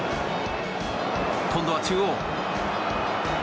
今度は中央。